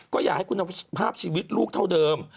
ก็อยากให้คุณภาพชีวิตลูกเท่าเดิม